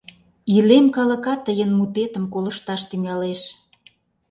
Илем калыкат тыйын мутетым колышташ тӱҥалеш.